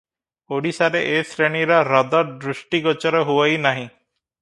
ଓଡ଼ିଶାରେ ଏ ଶ୍ରେଣୀର ହ୍ରଦ ଦୃଷ୍ଟିଗୋଚର ହୁଅଇ ନାହିଁ ।